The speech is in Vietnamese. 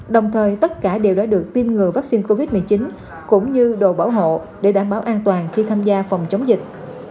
đồng thời tất cả đều đã được tiêm ngừa vaccine covid một mươi chín cũng như đồ bảo hộ để đảm bảo an toàn khi tham gia phòng chống dịch